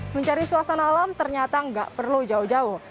mencari suasana alam ternyata nggak perlu jauh jauh